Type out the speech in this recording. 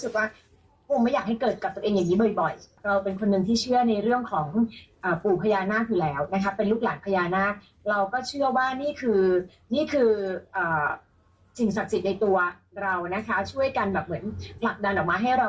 ช่วยกันแบบเหมือนหลักดารมะให้เรารำถวายปู่ได้อะไรอย่างนี้ค่ะ